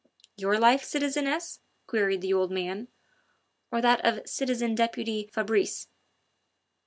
"Your life, citizeness?" queried the old man, "or that of citizen deputy Fabrice?"